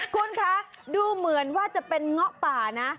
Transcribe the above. คุณคะดูเหมือนว่าจะเป็นเงาะป่านะ